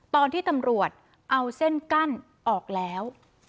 ตอนที่ตำรวจเอาเส้นกั้นออกแล้ว